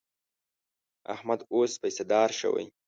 احمد اوس پیسهدار شوی.